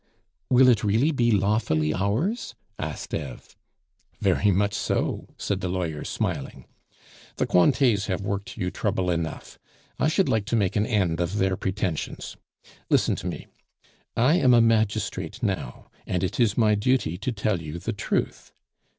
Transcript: "Will it really be lawfully ours?" asked Eve. "Very much so," said the lawyer, smiling. "The Cointets have worked you trouble enough; I should like to make an end of their pretensions. Listen to me; I am a magistrate now, and it is my duty to tell you the truth.